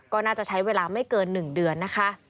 ก็น่าจะใช้เวลาไม่เกิน๑เดือนนะคะ